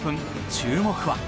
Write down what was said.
注目は。